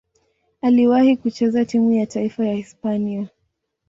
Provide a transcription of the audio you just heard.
Aliwahi kucheza timu ya taifa ya Hispania.